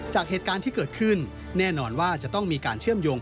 จากเหตุการณ์ที่เกิดขึ้นแน่นอนว่าจะต้องมีการเชื่อมโยง